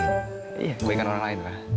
iya kebaikan orang lain lah